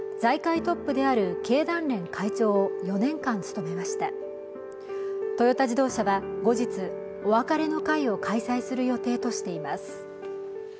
トヨタ自動車は後日、お別れの会を開催する予定としています。